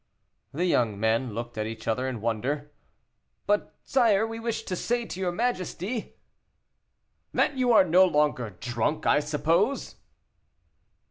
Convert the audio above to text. The young men looked at each other in wonder. "But, sire, we wished to say to your majesty " "That you are no longer drunk, I suppose."